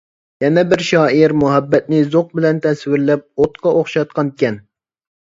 يەنە بىر شائىر مۇھەببەتنى زوق بىلەن تەسۋىرلەپ ئوتقا ئوخشاتقانىكەن.